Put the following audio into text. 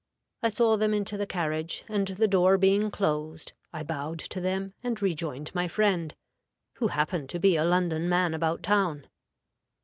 I saw them into the carriage, and the door being closed, I bowed to them and rejoined my friend, who happened to be a London man about town.